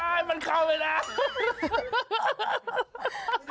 ใช่มันเข้าไปแล้ว